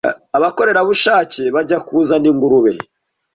Abakorerabushake bajya kuzana ingurube. ”